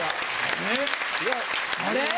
あれ？